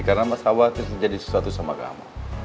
karena mas khawatir bisa jadi sesuatu sama kamu